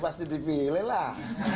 pasti dipilih lah